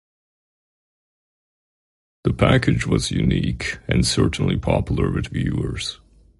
The package was unique and certainly popular with viewers.